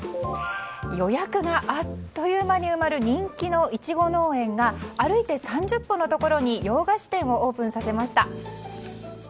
予約があっという間に埋まる人気のイチゴ農園が歩いて３０歩のところに洋菓子店をオープンさせました。